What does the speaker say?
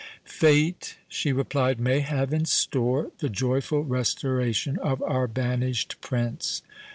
"Fate," she replied, "may have in store the joyful restoration of our banished Prince."